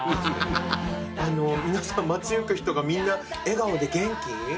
皆さん街行く人がみんな笑顔で元気。